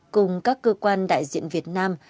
cùng các cơ quan đại diện việt nam